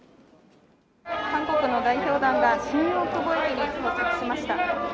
韓国の代表団が新大久保駅に到着しました。